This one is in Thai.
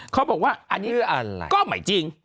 เขาบอกว่าอันนี้ก็ไม่จริง